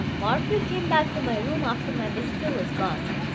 Morphew came back to my room after my visitor was gone.